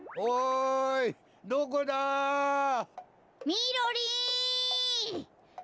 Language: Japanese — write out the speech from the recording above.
みろりん！